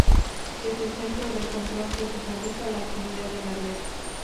Desde el centro de control se supervisa la actividad de la red.